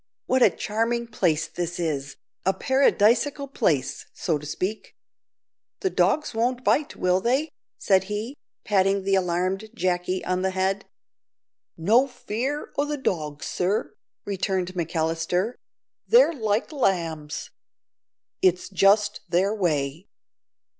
"What a charming place this is, a paradisaical place, so to speak. The dogs won't bite, will they?" said he, patting the alarmed Jacky on the head. "No fear o' the dogs, sir," returned McAllister; "they're like lambs. It's just their way.